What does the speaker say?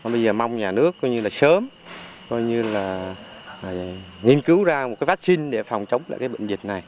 bây giờ mong nhà nước sớm nghiên cứu ra một vaccine để phòng chống lại bệnh dịch này